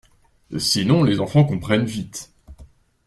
Sinon les enfants comprennent vite.